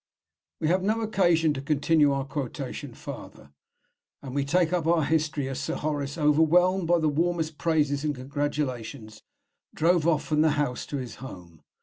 We have no occasion to continue our quotation farther, and we take up our history as Sir Horace, overwhelmed by the warmest praises and congratulations, drove off from the House to his home.